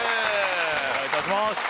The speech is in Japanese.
お願いいたします